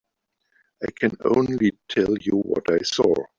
I can only tell you what I saw.